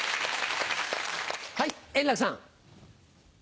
はい円楽さん。